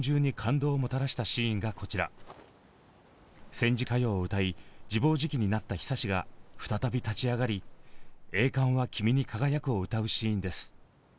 戦時歌謡を歌い自暴自棄になった久志が再び立ち上がり「栄冠は君に輝く」を歌うシーンです。